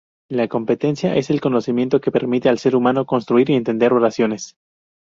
La competencia es el conocimiento que permite al ser humano construir y entender oraciones.